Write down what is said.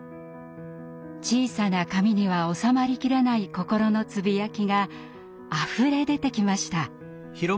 小さな紙にはおさまりきらない心のつぶやきがあふれ出てきました。